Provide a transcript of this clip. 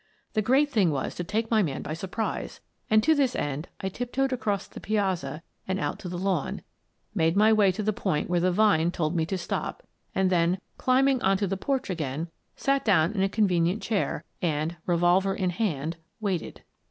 The great thing was to take my man by surprise, and, to this end, I tiptoed across the piazza and out to the lawn; made my way to the point where the vine told me to stop, and then, climbing on to the porch again, sat down in a convenient chair and, revolver in hand, waited.